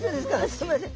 すいません。